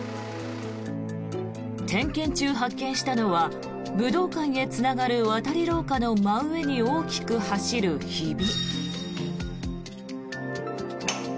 点検中、発見したのは武道館へつながる渡り廊下の真上に大きく走るひび。